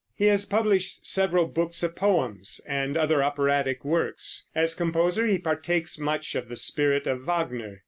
He has published several books of poems, and other operatic books. As composer he partakes much of the spirit of Wagner.